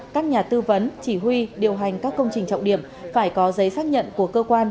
các nhà tư vấn chỉ huy điều hành các công trình trọng điểm phải có giấy xác nhận của cơ quan